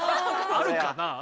あるかなあ？